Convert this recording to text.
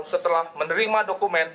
setelah menerima dokumen